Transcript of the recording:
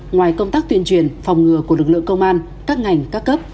ngoài công tác tuyên truyền phòng ngừa của lực lượng công an các ngành các cấp